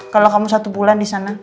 kalau kamu satu bulan disana